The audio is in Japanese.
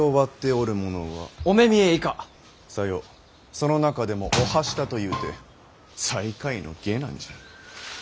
その中でも御半下というて最下位の下男じゃ。